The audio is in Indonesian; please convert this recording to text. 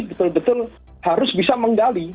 betul betul harus bisa menggali